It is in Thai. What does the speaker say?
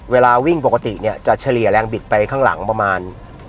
เวลาวิ่งปกติเนี่ยจะเฉลี่ยแรงบิดไปข้างหลังประมาณ